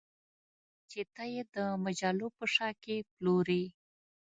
چې ته یې د مجلو په شا کې پلورې